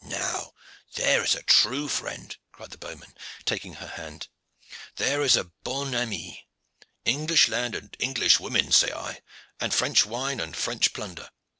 "Now, there is a true friend!" cried the bowman, taking her hand. "There is a bonne amie! English land and English women, say I, and French wine and French plunder.